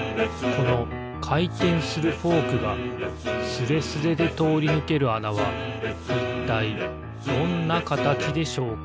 このかいてんするフォークがスレスレでとおりぬけるあなはいったいどんなかたちでしょうか？